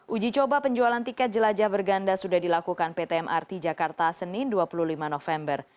uji coba penjualan tiket jelajah berganda sudah dilakukan pt mrt jakarta senin dua puluh lima november